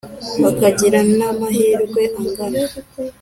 Bakagira na mahirwe angana